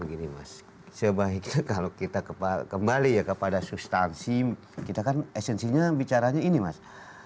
gini mas sebaiknya kalau kita kembali ya kepada substansi kita kan esensinya bicaranya ini mas